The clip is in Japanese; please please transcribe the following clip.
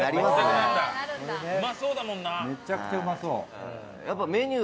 めちゃくちゃうまそう。